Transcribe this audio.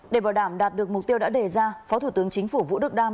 để bảo đảm đạt được mục tiêu đã đề ra phó thủ tướng chính phủ vũ đức đam